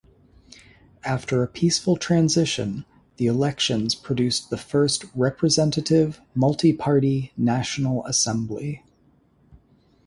After a peaceful transition, the elections produced the first representative, multi-party, National Assembly.